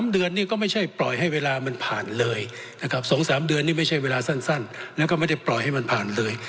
๓เดือนนี่ก็ไม่ใช่ปล่อยให้เวลามันผ่านเลยนะครับ๒๓เดือนนี่ไม่ใช่เวลาสั้นแล้วก็ไม่ได้ปล่อยให้มันผ่านเลย